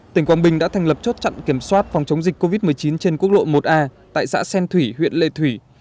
tỉnh quảng bình đã thành lập chốt chặn kiểm soát phòng chống dịch covid một mươi chín trên quốc lộ một a tại xã xen thủy huyện lệ thủy